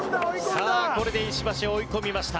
さあこれで石橋追い込みました。